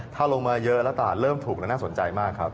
ถ้าลงมาเยอะแล้วตลาดเริ่มถูกแล้วน่าสนใจมากครับ